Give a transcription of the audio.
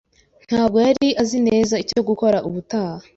ntabwo yari azi neza icyo gukora ubutaha.